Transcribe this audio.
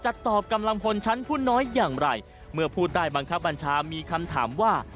ตอบกำลังพลชั้นผู้น้อยอย่างไรเมื่อผู้ใต้บังคับบัญชามีคำถามว่า